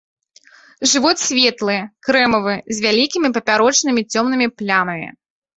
Жывот светлы, крэмавы, з вялікімі папярочнымі цёмнымі плямамі.